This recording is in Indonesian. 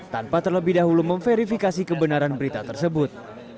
tanpa terlebih dahulu memverifikasi kebenaran berita tersebut